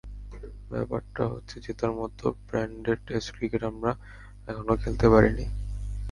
ব্যাপারটা হচ্ছে, জেতার মতো ব্র্যান্ডের টেস্ট ক্রিকেট আমরা এখনো খেলতে পারিনি।